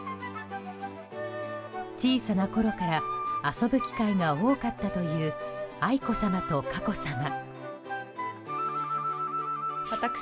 小さなころから遊ぶ機会が多かったという愛子さまと佳子さま。